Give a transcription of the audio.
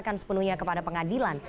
masukkan ke kota jendela